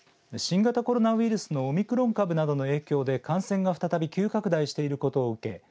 新型コロナウイルスのオミクロン株などの影響で感染が再び急拡大していることを受け